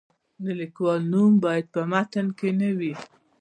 د لیکوال نوم باید په متن کې نه وي.